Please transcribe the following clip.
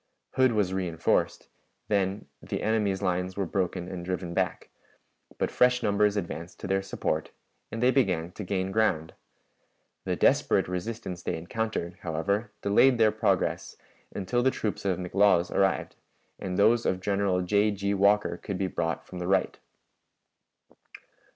Hood was reënforced; then the enemy's lines were broken and driven back, but fresh numbers advanced to their support, and they began to gain ground. The desperate resistance they encountered, however, delayed their progress until the troops of McLaws arrived, and those of General J. G. Walker could be brought from the right.